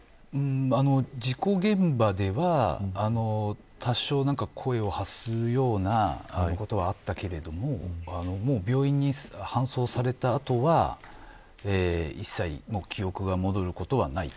事故現場では多少、声を発するようなことはあったけれども病院に搬送された後は一切、記憶が戻ることはない。